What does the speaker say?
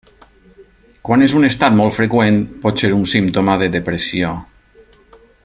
Quan és un estat molt freqüent pot ser un símptoma de depressió.